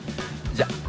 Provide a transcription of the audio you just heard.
じゃあ。